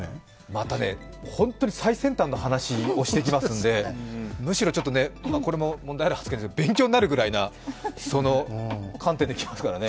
またね、本当に最先端の話をしてきますのでむしろちょっと、今これも問題発言ですが、勉強になるぐらいな観点で来ますからね。